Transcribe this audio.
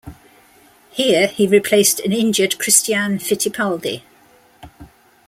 Here, he replaced an injured Christian Fittipaldi.